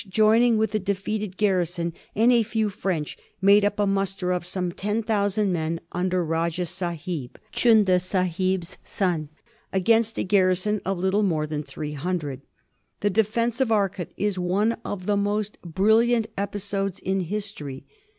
263 joining with the defeated garrison and a few French, made up a muster of some 10,000 men under Rajah Sahib, Chunda Sahib's son, against a garrison of little more than 300. The defence of Arcot is one of the most brilliant episodes in history.